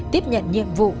tiếp nhận nhiệm vụ